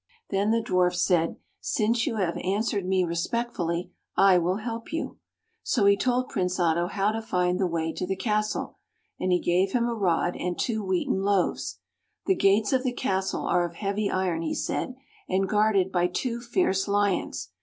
Then the Dwarf said, " Since you have answered me respectfully, I will help you." So he told Prince Otto how to find the way to the castle, and he gave him a rod, and two wheaten loaves. " The gates of the castle are of heavy iron," he said, " and guarded by two fierce lions.